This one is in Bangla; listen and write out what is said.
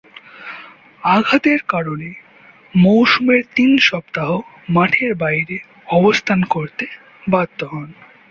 আঘাতের কারণে মৌসুমের তিন সপ্তাহ মাঠের বাইরে অবস্থান করতে বাধ্য হন।